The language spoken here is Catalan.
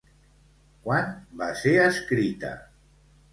Quan va ser escrita?